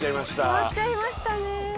終わっちゃいましたね。